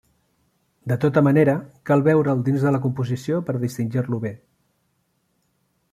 De tota manera cal veure'l dins de la composició per a distingir-lo bé.